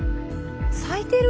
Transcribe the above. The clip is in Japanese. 咲いてる？